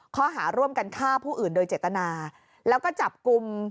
ข้อหาร่วมกันฆ่าผู้อื่นโดยเจตนาแล้วก็จับกลุ่ม